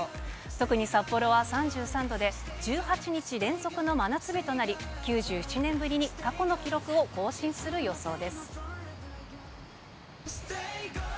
特に札幌は３３度で、１８日連続の真夏日となり、９１年ぶりに過去の記録を更新する予想です。